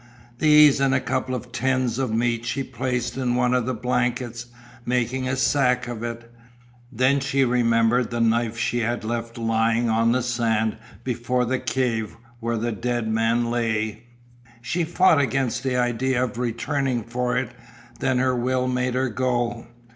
These and a couple of tins of meat she placed in one of the blankets, making a sack of it. Then she remembered the knife she had left lying on the sand before the cave where the dead man lay. She fought against the idea of returning for it. Then her will made her go.